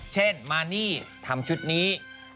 เช่นมานี่ทำชุดนี้